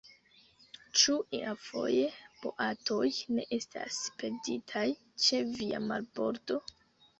Ĉu iafoje boatoj ne estas perditaj ĉe via marbordo?